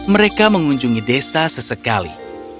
mereka mengunjungi desa sesekali